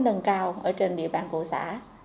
nâng cao trên địa bàn của xã